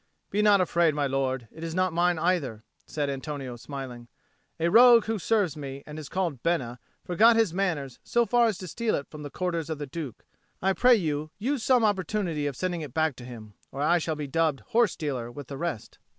"Be not afraid, my lord. It is not mine either," said Antonio smiling. "A rogue who serves me, and is called Bena, forgot his manners so far as to steal it from the quarters of the Duke. I pray you use some opportunity of sending it back to him, or I shall be dubbed horse stealer with the rest."